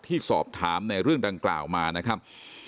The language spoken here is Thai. ที่สอบถามในเรื่องดังกล่าวมานะครับ